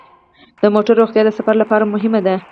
د موټرو روغتیا د سفر لپاره مهمه ده.